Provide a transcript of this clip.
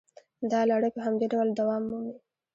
دا لړۍ په همدې ډول دوام مومي